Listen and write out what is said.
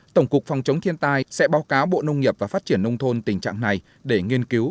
tổng cục phòng chống thiên tai sẽ báo cáo bộ nông nghiệp và phát triển nông thôn tình trạng này để nghiên cứu